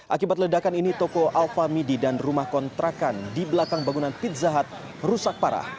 akibat ledakan ini toko alfa midi dan rumah kontrakan di belakang bangunan pizza hut rusak parah